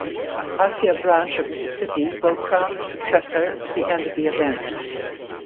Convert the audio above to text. Asya Branch of Mississippi will crown her successor at the end of the event.